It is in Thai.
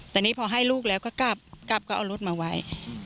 แต่นี่พอให้ลูกแล้วก็กลับกลับก็เอารถมาไว้